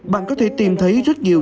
bạn có thể tìm thấy rất nhiều